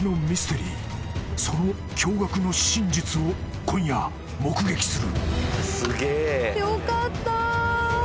［その驚愕の真実を今夜目撃する！］